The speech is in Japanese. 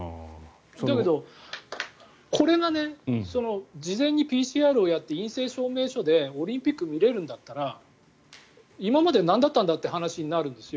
だけどこれが事前にＰＣＲをやって陰性証明書でオリンピックが見れるんだったら今までなんだったんだという話になるんですよ。